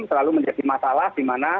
selalu menjadi masalah dimana